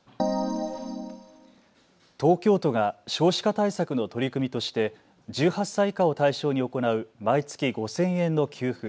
東京都が少子化対策の取り組みとして１８歳以下を対象に行う毎月５０００円の給付。